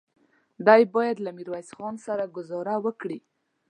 دی بايد له ميرويس خان سره ګذاره وکړي.